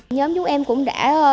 nhóm chúng em cũng đã